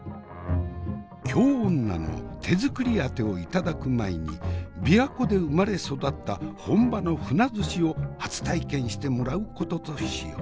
京女の手作りあてを頂く前に琵琶湖で生まれ育った本場の鮒寿司を初体験してもらうこととしよう。